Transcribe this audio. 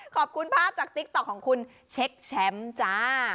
ขอบคุณภาพจากติ๊กต๊อกของคุณเช็คแชมป์จ้า